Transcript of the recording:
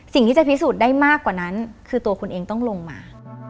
สิ่งที่จะพิสูจน์ได้มากกว่านั้นคือตัวคุณเองต้องลงมา